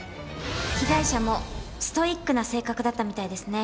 被害者もストイックな性格だったみたいですね。